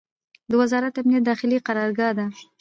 د وزارت امنیت داخلي قرارګاه ته